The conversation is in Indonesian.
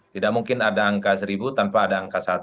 tidak mungkin ada angka seribu tanpa ada angka satu